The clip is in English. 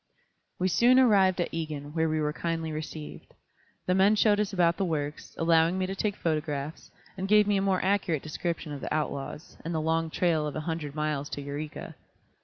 We soon arrived at Egan, where we were kindly received. The men showed us about the works, allowing me to take photographs, and gave me a more accurate description of the outlaws, and the long trail of a hundred miles to Eureka.